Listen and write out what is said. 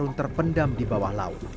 dan harta karun terpendam di bawah laut